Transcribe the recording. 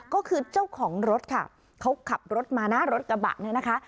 ก็คือเจ้าของรถค่ะเขาขับรถมานะรถกระบะเนี่ยนะคะ